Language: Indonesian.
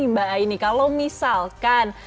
mbak aini kalau misalkan